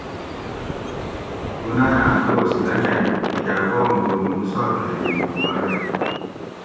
دوناۤیاۤن دوس لنگگ ھیکاۤ پا موٹو مُساپھیری موں غاڑہ ھیت